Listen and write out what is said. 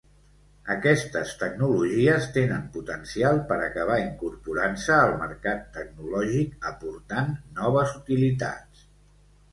Aquestes tecnologies tenen potencial per acabar incorporant-se al mercat tecnològic, aportant noves utilitats.